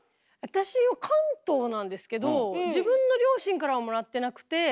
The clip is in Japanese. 私は関東なんですけど自分の両親からはもらってなくて。